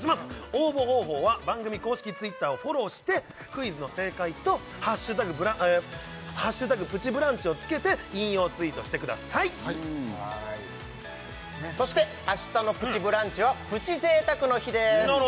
応募方法は番組公式Ｔｗｉｔｔｅｒをフォローしてクイズの正解と「＃プチブランチ」をつけて引用ツイートしてくださいそして明日の「プチブランチ」はプチ贅沢の日です